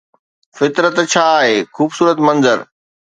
فطرت جا اهي خوبصورت منظر